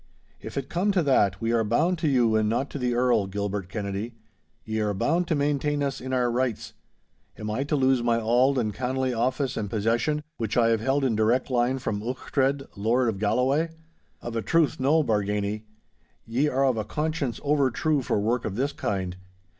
'If it come to that, we are bound to you and not to the Earl, Gilbert Kennedy. Ye are bound to maintain us in our rights! Am I to lose my auld and kindly office and possession, which I have held in direct line from Uchtred, Lord of Galloway? Of a truth, no, Bargany! Ye are of a conscience overtrue for work of this kind.